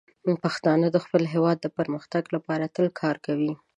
پښتانه د خپل هیواد د پرمختګ لپاره تل کار کوي.